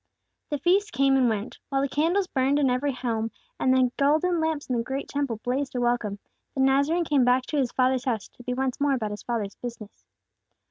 The feast came and went. While the candles burned in every home, and the golden lamps in the great Temple blazed a welcome, the Nazarene came back to His Father's house, to be once more about His Father's business.